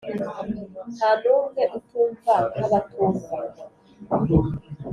nta numwe utumva nkabatumva